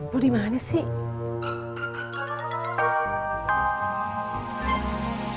lo dimana sih